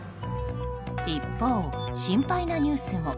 一方、心配なニュースも。